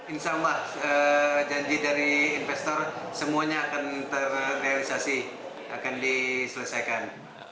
insya allah janji dari investor semuanya akan terrealisasi akan diselesaikan